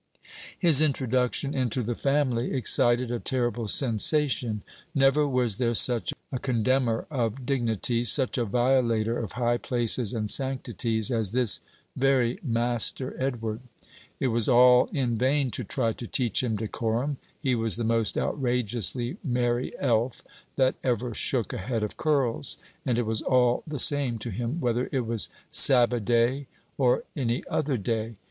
His introduction into the family excited a terrible sensation. Never was there such a condemner of dignities, such a violator of high places and sanctities, as this very Master Edward. It was all in vain to try to teach him decorum. He was the most outrageously merry elf that ever shook a head of curls; and it was all the same to him whether it was "Sabba' day" or any other day.